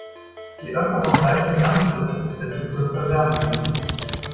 Je öfter man Bleistifte anspitzt, desto kürzer werden sie.